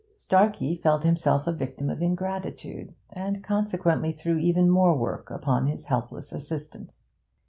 Starkey felt himself a victim of ingratitude, and consequently threw even more work upon his helpless assistant.